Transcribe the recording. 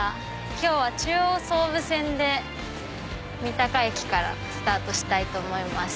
今日は中央・総武線で三鷹駅からスタートします。